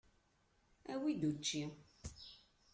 Awi-d učči!